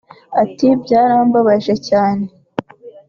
Ati “Byarambabaje cyane